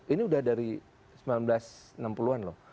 ini udah dari seribu sembilan ratus enam puluh an loh